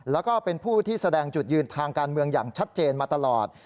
แล้วก็เป็นผู้ที่แสดงจุดยืนทางการเมืองอย่างชัดเจนมาตลอด